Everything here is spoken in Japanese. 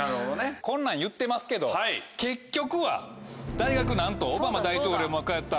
こんなん言ってますけど結局は大学なんとオバマ大統領も通った。